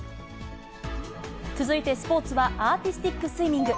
続いてスポーツは、アーティスティックスイミング。